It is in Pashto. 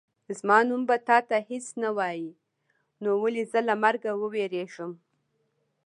زما نوم به تا ته هېڅ نه وایي نو ولې زه له مرګه ووېرېږم.